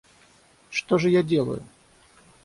Что же я делаю?